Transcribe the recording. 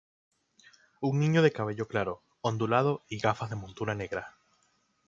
Un nino de cabello claro, ondulado y gafas de montura negra.